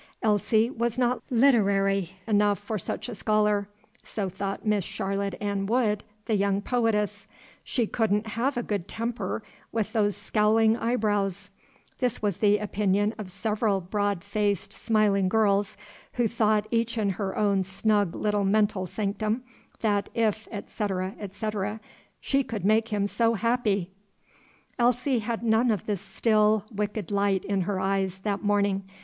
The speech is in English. Elsie was not literary enough for such a scholar: so thought Miss Charlotte Ann Wood, the young poetess. She couldn't have a good temper, with those scowling eyebrows: this was the opinion of several broad faced, smiling girls, who thought, each in her own snug little mental sanctum, that, if, etc., etc., she could make him so happy! Elsie had none of the still, wicked light in her eyes, that morning.